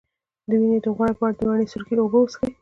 د وینې د غوړ لپاره د مڼې سرکه او اوبه وڅښئ